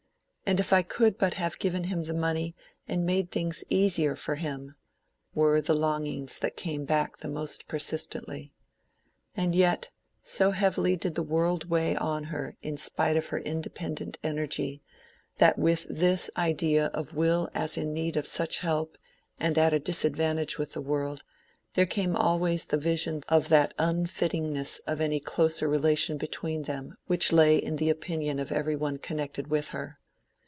And if I could but have given him the money, and made things easier for him!"—were the longings that came back the most persistently. And yet, so heavily did the world weigh on her in spite of her independent energy, that with this idea of Will as in need of such help and at a disadvantage with the world, there came always the vision of that unfittingness of any closer relation between them which lay in the opinion of every one connected with her.